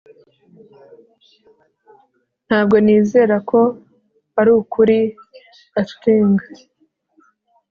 Ntabwo nizera ko arukuri astyng